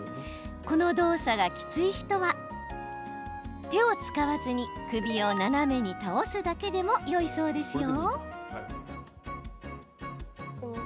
この動作がきつい人は手を使わずに、首を斜めに倒すだけでもよいそうですよ。